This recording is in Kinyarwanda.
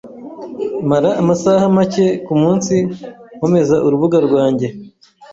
Mara amasaha make kumunsi nkomeza urubuga rwanjye.